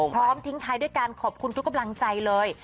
พร้อมทิ้งท้ายด้วยการขอบคุณทุกกำลังใจเลย